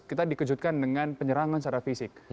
kita dikejutkan dengan penyerangan secara fisik